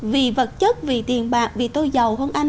vì vật chất vì tiền bạc vì tôi giàu hôn anh